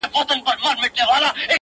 ډک گيلاسونه دي شرنگيږي رېږدي بيا ميکده